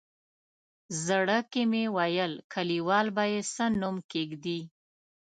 زړه کې مې ویل کلیوال به یې څه نوم کېږدي.